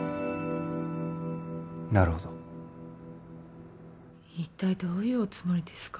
なるほど一体どういうおつもりですか？